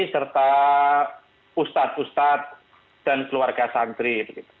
serta ustadz ustadz dan keluarga santri